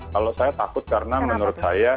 kalau saya takut karena menurut saya